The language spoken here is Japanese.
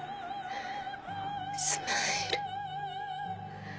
スマイル